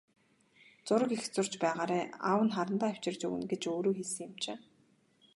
Зураг их зурж байгаарай, аав нь харандаа авчирч өгнө гэж өөрөө хэлсэн юм чинь.